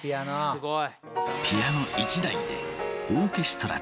すごい。